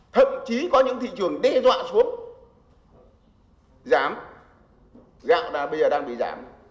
thậm chí có những thị trường đe dọa xuống giảm gạo bây giờ đang bị giảm